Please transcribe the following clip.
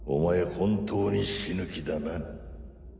本当に死ぬ気だな？